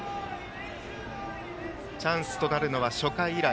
チャンスとなるのは初回以来。